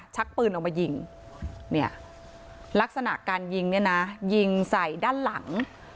ชักปืนออกมายิงเนี่ยลักษณะการยิงเนี่ยนะยิงใส่ด้านหลัง